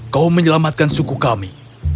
kau menyelamatkan suku kami